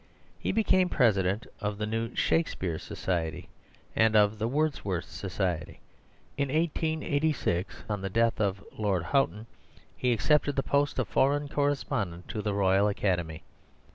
He became President of the new "Shakespeare Society" and of the "Wordsworth Society." In 1886, on the death of Lord Houghton, he accepted the post of Foreign Correspondent to the Royal Academy.